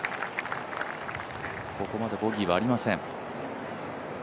ここまでボギーはありません。